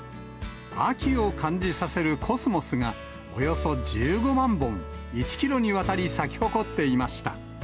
秋を感じさせるコスモスが、およそ１５万本、１キロにわたり咲き誇っていました。